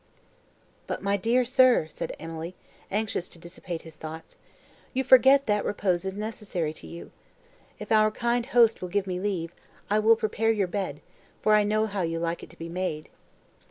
"But, my dear sir," said Emily, anxious to dissipate his thoughts, "you forget that repose is necessary to you. If our kind host will give me leave, I will prepare your bed, for I know how you like it to be made."